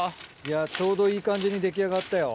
ちょうどいい感じに出来上がったよ。